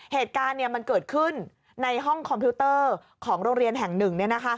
เหตุการณ์มันเกิดขึ้นในห้องคอมพิวเตอร์ของโรงเรียนแห่งหนึ่ง